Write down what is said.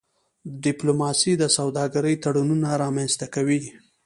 ډيپلوماسي د سوداګرۍ تړونونه رامنځته کوي.